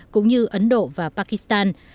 cũng như ấn độ và pakistan